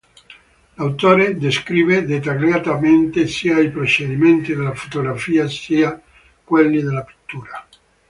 L'autore descrive dettagliatamente sia i procedimenti della fotografia sia quelli della pittura.